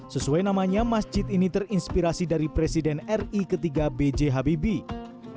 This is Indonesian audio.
sesuai namanya masjid ini terinspirasi dari presiden ri ketiga b j habibie